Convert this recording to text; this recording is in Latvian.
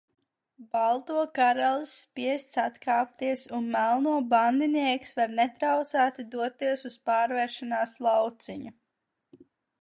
Balto karalis spiests atkāpties un melno bandinieks var netraucēti doties uz pārvēršanās lauciņu.